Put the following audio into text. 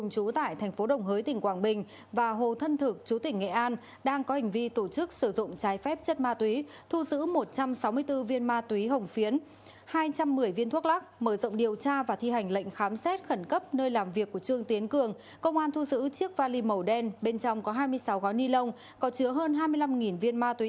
chú tỉnh quảng bình về hành vi mua bán trái phép chất ma túy